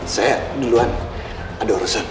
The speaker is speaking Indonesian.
saya duluan ada urusan